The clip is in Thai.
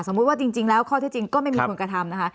ว่าจริงแล้วข้อที่จริงก็ไม่มีคนกระทำนะคะ